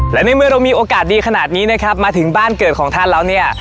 และในเมื่อเรามีโอกาสดีขนาดนี้นะครับมาถึงบ้านเกิดของท่านแล้วเนี่ย